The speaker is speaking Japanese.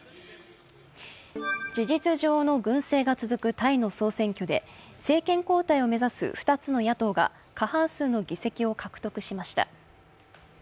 事実上の軍政が続くタイの総選挙で政権交代を目指す２つの野党が過半数の議席を獲得しました。